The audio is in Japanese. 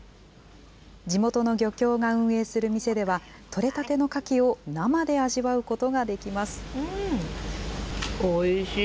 地元の漁協が運営する店では、取れたてのカキを生で味わうことができます。